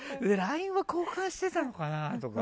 ＬＩＮＥは交換してたのかな？とか。